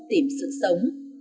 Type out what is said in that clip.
tìm sự sống